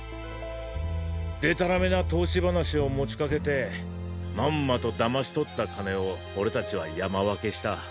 デタラメな投資話を持ちかけてまんまと騙し取った金を俺たちは山分けした。